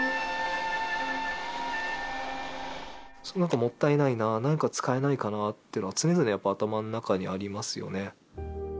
そこなんかもったいないななんか使えないかなっていうのは常々やっぱ頭の中にありますよね